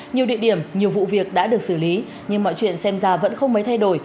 nhiều địa điểm nhiều vụ việc đã được xử lý nhưng mọi chuyện xem ra vẫn không mấy thay đổi